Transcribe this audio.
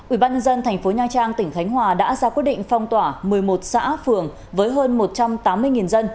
ubnd tp nha trang tỉnh khánh hòa đã ra quyết định phong tỏa một mươi một xã phường với hơn một trăm tám mươi dân